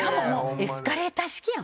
エスカレーター式やん。